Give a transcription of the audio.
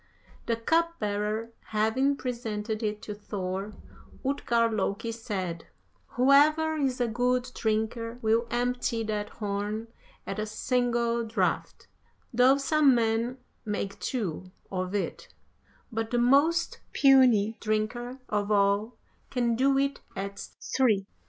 The cupbearer having presented it to Thor, Utgard Loki said "'Whoever is a good drinker will empty that horn at a single draught, though some men make two of it, but the most puny drinker of all can do it at three.'